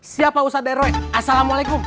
siap pak ustaz eroi assalamualaikum